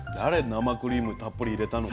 生クリームたっぷり入れたの。